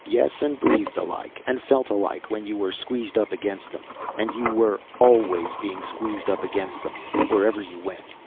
Yes, and breathed alike, and felt alike when you were squeezed up against them, and you were always being squeezed up against them, wherever you went.